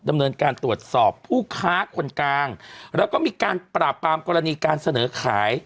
ดำเนินการตรวจสอบผู้ค้าคนกลางแล้วก็มีการปราบปรามกรณีการเสนอขาย